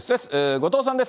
後藤さんです。